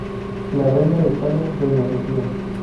La Reina de España, Doña Sofía.